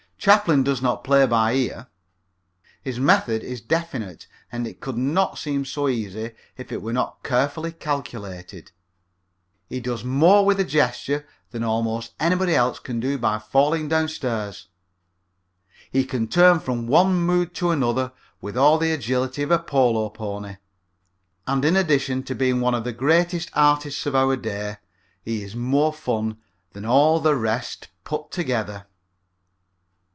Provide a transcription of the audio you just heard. Chaplin does not play by ear. His method is definite, and it could not seem so easy if it were not carefully calculated. He does more with a gesture than almost anybody else can do by falling downstairs. He can turn from one mood to another with all the agility of a polo pony. And in addition to being one of the greatest artists of our day he is more fun than all the rest put together.